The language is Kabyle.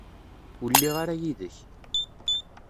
Ur lliɣ ara yid-k.